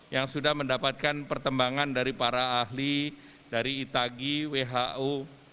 yang sudah mendapatkan pertembangan dari para ahli dari itagi who